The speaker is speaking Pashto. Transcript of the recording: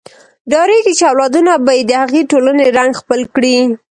ډارېږي چې اولادونه به یې د هغې ټولنې رنګ خپل کړي.